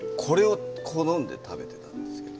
これを好んで食べてたんです。